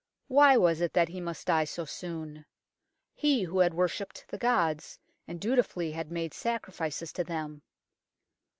Why was it that he must die so soon he who had worshipped the gods and dutifully had made sacrifices to them